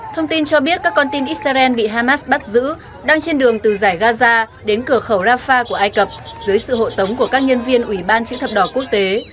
thông tin cho biết các con tin israel bị hamas bắt giữ đang trên đường từ giải gaza đến cửa khẩu rafah của ai cập dưới sự hộ tống của các nhân viên ủy ban chữ thập đỏ quốc tế